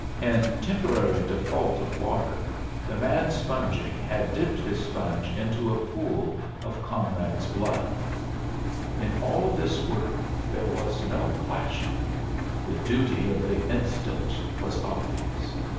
In temporary default of water, the man sponging had dipped his sponge into a pool of comrade's blood. In all this work there was no clashing; the duty of the instant was obvious.